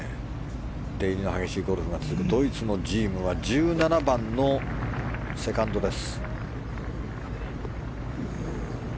出入りの激しいゴルフが続く、ドイツのジームは１７番のセカンドです。